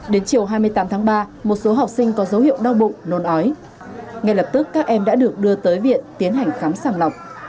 đến chiều hai mươi tám tháng ba một số học sinh có dấu hiệu đau bụng nôn ói ngay lập tức các em đã được đưa tới viện tiến hành khám sàng lọc